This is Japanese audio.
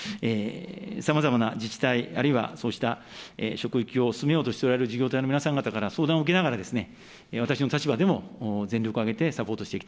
さまざまな自治体、あるいはそうした職域を進めようとしておられる事業体の皆さんから相談を受けながら、私どもの立場でも全力を挙げてサポートして武部君。